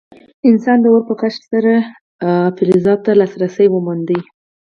انسان د اور په کشف سره فلزاتو ته لاسرسی وموند.